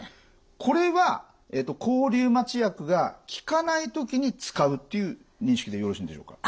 これは抗リウマチ薬が効かない時に使うっていう認識でよろしいんでしょうか。